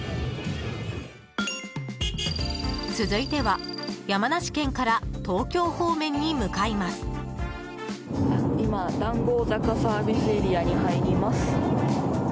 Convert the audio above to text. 続いては山梨県から東京方面に向かいます。